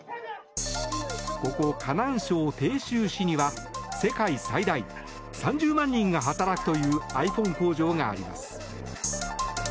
ここ河南省鄭州市には世界最大３０万人が働くというｉＰｈｏｎｅ工場があります。